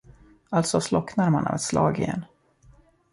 Alltså slocknar man av ett slag igen!